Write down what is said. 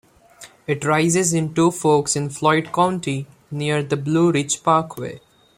It rises in two forks in Floyd County near the Blue Ridge Parkway.